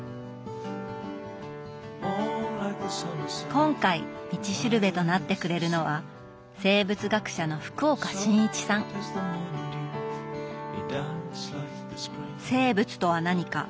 今回「道しるべ」となってくれるのは「生物とは何か」